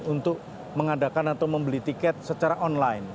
untuk mengadakan atau membeli tiket secara online